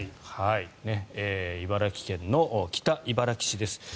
茨城県の北茨城市です。